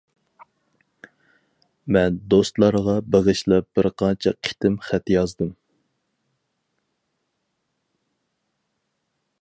مەن دوستلارغا بېغىشلاپ بىرقانچە قېتىم خەت يازدىم.